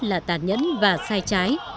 là tàn nhẫn và sai trái